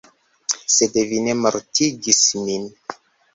Sed vi ne mortigis min.